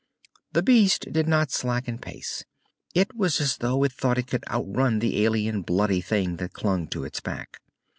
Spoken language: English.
The beast did not slacken pace. It was as though it thought it could outrun the alien, bloody thing that clung to its back.